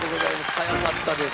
早かったです。